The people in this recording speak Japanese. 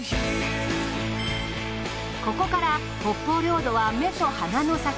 ここから北方領土は目と鼻の先。